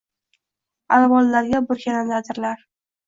alvonlarga burkanadi adirlar